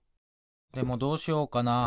でもどうしようかな。